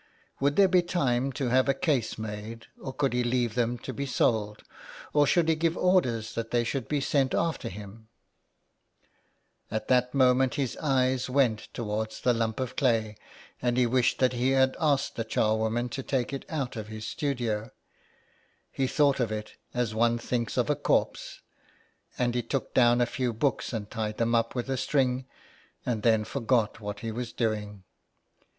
Would there be time to have a case made, or should he leave them to be sold, or should he give orders that they should be sent after him ? At that moment his eyes went towards the lump of clay, and he wished that he had asked the charwoman to take it out of his studio. He thought of it as one thinks of a corpse, and he took down a few books and tied them up with a string, and then forgot what he was doing.